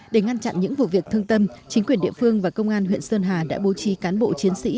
để ngăn chặn những vụ việc thương tâm chính quyền địa phương và công an huyện sơn hà đã bố trí cán bộ chiến sĩ